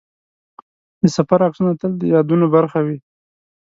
د سفر عکسونه تل د یادونو برخه وي.